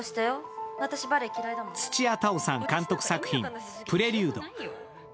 土屋太鳳さん監督作品「Ｐｒｅｌｕｄｅプレリュード」。